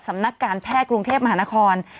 สำนักการแพทย์กรุงเทพมหานคร